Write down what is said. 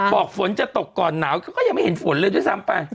ฝนจะตกก่อนหนาวก็ยังไม่เห็นฝนเลยด้วยซ้ำไป